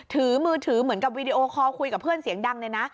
ถือมือถือเหมือนกับวีดีโอคอลคุยกับเพื่อนเสียงดังเลยนะ